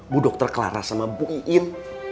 bu dokter clara sama bu iin